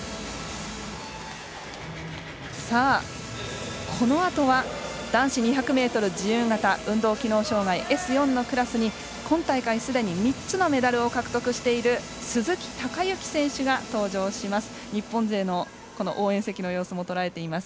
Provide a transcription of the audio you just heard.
さあ、このあとは男子２００ｍ自由形運動機能障がいＳ４のクラスに今大会すでに３つのメダルを獲得している鈴木孝幸選手が登場します。